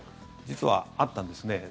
実はあったんですね。